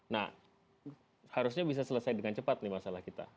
nah harusnya bisa selesai dengan cepat nih masalah kita